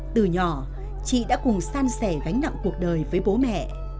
từ nhỏ chị đã cùng san sẻ gánh nặng cuộc đời với bố mẹ